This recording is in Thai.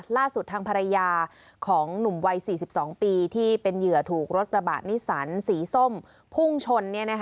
ล่าสุดทางภรรยาของหนุ่มวัย๔๒ปีที่เป็นเหยื่อถูกรถกระบะนิสันสีส้มพุ่งชน